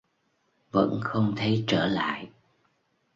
Vẫn không thấy trở lại